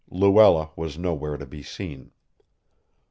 Luella was nowhere to be seen.